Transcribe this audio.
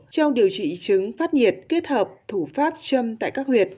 trong điều trị chứng phát nhiệt kết hợp thủ pháp châm tại các huyện